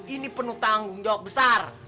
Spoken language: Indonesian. ini penuh tanggung jawab besar